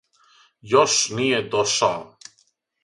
Још није дошао.